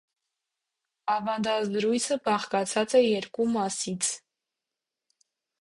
Ավանդազրույցը բաղկացած է երկու մասից։